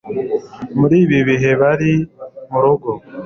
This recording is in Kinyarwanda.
muri ibi bihe bari mu rugo.